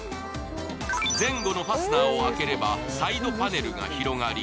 前後のファスナーを開ければサイドパネルが広がり